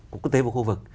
của quốc tế và khu vực